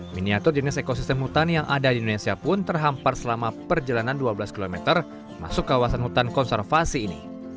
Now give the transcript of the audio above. miniatur jenis ekosistem hutan yang ada di indonesia pun terhampar selama perjalanan dua belas km masuk kawasan hutan konservasi ini